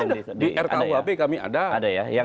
ada di rkuhp kami ada